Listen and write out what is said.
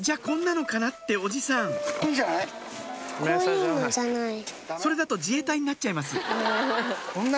こんなのかな？っておじさんそれだと自衛隊になっちゃいます